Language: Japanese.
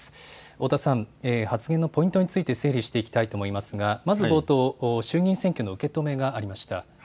太田さん、発言のポイントについて整理していきたいと思いますが、まず冒頭、衆議院選挙の受け止めがありました。